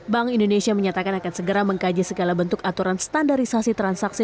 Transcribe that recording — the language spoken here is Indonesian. bank indonesia menyatakan akan segera mengkaji segala bentuk aturan standarisasi transaksi